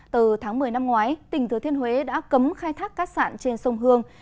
từ tháng một mươi năm ngoái tỉnh thứ thiên huế đã cấm khai thác cát sản trên sông hương